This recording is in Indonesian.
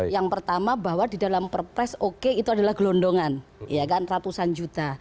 yang pertama bahwa di dalam perpres oke itu adalah gelondongan ratusan juta